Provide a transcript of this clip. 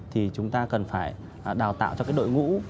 thì chúng ta cần phải đào tạo cho cái đội ngũ